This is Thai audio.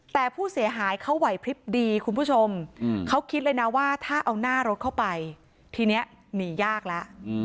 แต่ผู้เสียหายเขาไหวพลิบดีคุณผู้ชมเขาคิดเลยนะว่าถ้าเอาหน้ารถเข้าไปทีนี้หนียากแล้ว